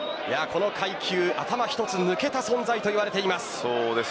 この階級、頭一つ抜けた存在と言われています。